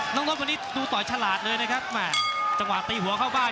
น้องรถวันนี้ดูต่อยฉลาดเลยนะครับจังหวะตีหัวเข้าบ้าน